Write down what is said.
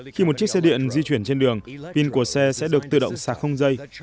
khi một chiếc xe điện di chuyển trên đường pin của xe sẽ được tự động sạc không dây